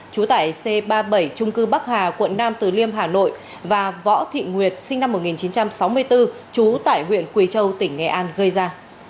trú tại c ba mươi bảy trung cư bắc hà quận nam từ liêm hà nội và võ thị nguyệt sinh năm một nghìn chín trăm sáu mươi bốn trú tại huyện quỳ châu tỉnh nghệ an gây ra